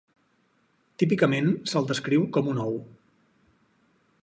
Típicament se'l descriu com un ou.